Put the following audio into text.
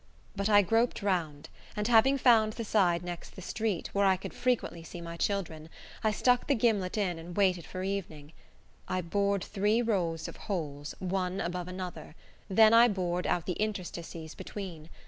But I groped round; and having found the side next the street, where I could frequently see my children, I stuck the gimlet in and waited for evening. I bored three rows of holes, one above another; then I bored out the interstices between.